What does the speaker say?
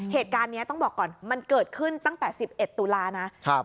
เหตุการณ์นี้ต้องบอกก่อนมันเกิดขึ้นตั้งแต่๑๑ตุลานะ